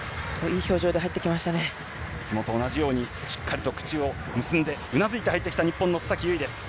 いつもと同じようにしっかりを口を結んでうなずいて入ってきた須崎優衣です。